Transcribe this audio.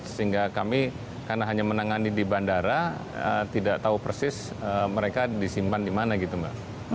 sehingga kami karena hanya menangani di bandara tidak tahu persis mereka disimpan di mana gitu mbak